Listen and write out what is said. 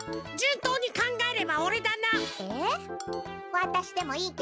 わたしでもいいけど？